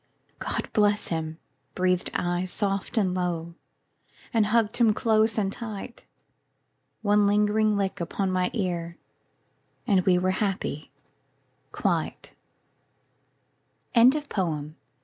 "God bless him," breathed I soft and low, And hugged him close and tight. One lingering lick upon my ear And we were happy quite. ANONYMOUS.